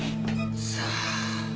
さあ。